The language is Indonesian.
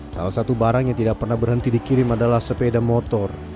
salah satu barang yang tidak pernah berhenti dikirim adalah sepeda motor